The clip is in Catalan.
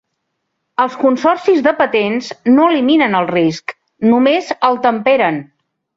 Els consorcis de patents no eliminen el risc, només el temperen.